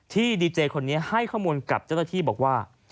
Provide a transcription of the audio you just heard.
ดีเจคนนี้ให้ข้อมูลกับเจ้าหน้าที่บอกว่า